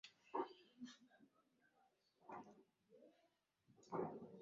Akidharau hasa maandiko ya Yakobo pia alipinga vikali Waprotestant